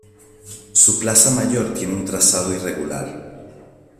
Su Plaza Mayor tiene un trazado irregular.